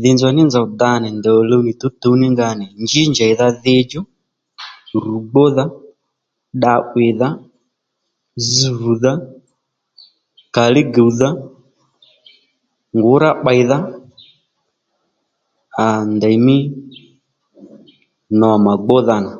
Dhì nzòw ní nzòw da nì ndèy òluw nì tǔwtǔw ní nga nì njíy njèydha dhi djú rù gbúdha dda 'wìydha, zz vùdha, kàlíy gúwdha ngǔrá pbèydha à a ndèymí nò mà gbúdha nà